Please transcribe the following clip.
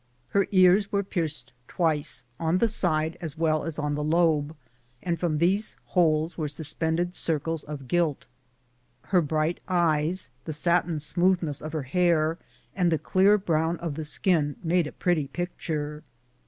Her ears were pierced twice — on the side as well as in the lobe — and from these holes were suspended circles of gilt. Her bright eyes, the satin smoothness of her hair, and the clear brown of the skin made a pretty picture.